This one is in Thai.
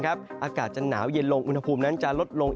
อากาศจะหนาวเย็นลงอุณหภูมินั้นจะลดลง